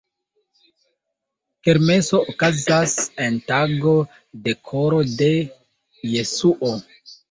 Kermeso okazas en tago de Koro de Jesuo.